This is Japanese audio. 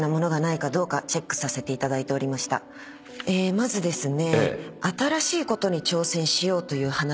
まずですね。